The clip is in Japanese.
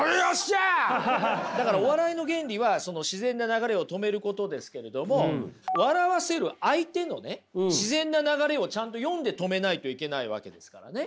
お笑いの原理は自然な流れを止めることですけれども笑わせる相手の自然な流れをちゃんと読んで止めないといけないわけですからね。